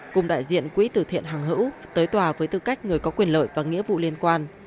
cùng đại diện quỹ tử thiện hàng hữu tới tòa với tư cách người có quyền lợi và nghĩa vụ liên quan